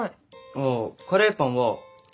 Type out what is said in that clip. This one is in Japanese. ああカレーパンは圏外。